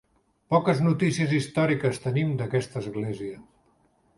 Poques notícies històriques tenim d'aquesta església.